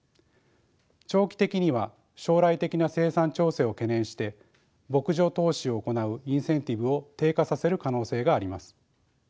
長期的には将来的な生産調整を懸念して牧場投資を行うインセンティブを低下させる可能性があります。